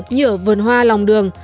như ở vườn hoa lòng đường